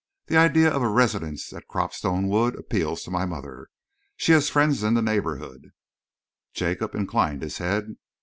The idea of a residence at Cropstone Wood appeals to my mother. She has friends in the neighborhood." Jacob inclined his head.